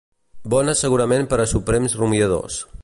Bona segurament per a suprems rumiadors